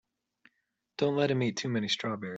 Don't let him eat too many strawberries.